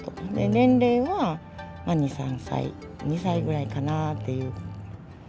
年齢は２、３歳、２歳ぐらいかなぁっていう。